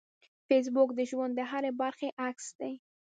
فېسبوک د ژوند د هرې برخې عکس دی